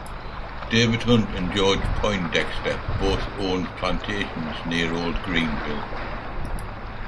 David Hunt and George Poindexter both owned plantations near Old Greenville.